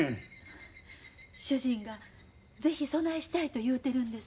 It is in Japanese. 主人が是非そないしたいと言うてるんです。